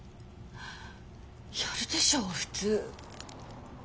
やるでしょ普通。